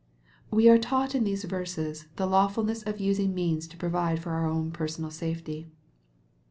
WE are taught in these verses the lawfulness of using means to provide for our own personal safety.